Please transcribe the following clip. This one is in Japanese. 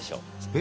え？